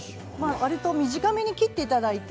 わりと短めに切っていただいて